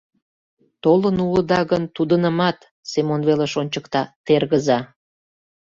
— Толын улыда гын, тудынымат, — Семон велыш ончыкта, — тергыза.